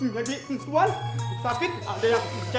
jadi tuan sakit ada yang pencet